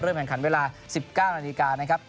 เริ่มแข่งขันเวลา๑๙นาทีการนะครับ